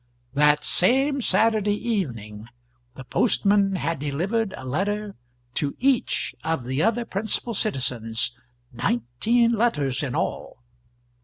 That same Saturday evening the postman had delivered a letter to each of the other principal citizens nineteen letters in all.